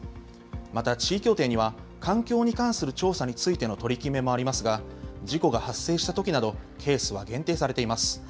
また、地位協定には環境に関する調査についての取り決めもありますが、事故が発生したときなど、ケースは限定されています。